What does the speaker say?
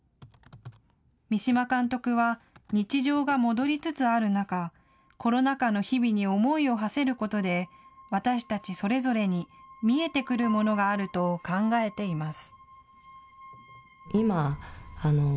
三島監督は日常が戻りつつある中、コロナ禍の日々に思いをはせることで私たちそれぞれに見えてくるものがあると考えています。